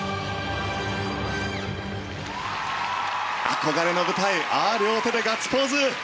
憧れの舞台両手でガッツポーズ。